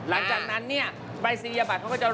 หลังจากนั้นเนี่ยใบสีหยะบัตรเขาก็จะ